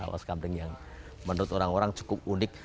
pos kampleng yang menurut orang orang cukup unik